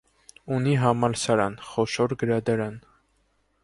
Ունի համալսարան, խոշոր գրադարան։